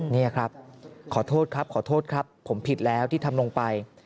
นี่ครับขอโทษครับผมผิดแล้วที่ทำลงไป